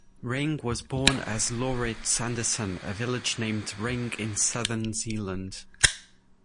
Ring was born as Laurits Andersen a village named Ring in southern Zealand.